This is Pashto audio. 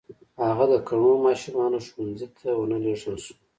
هغه د کڼو ماشومانو ښوونځي ته و نه لېږل شو.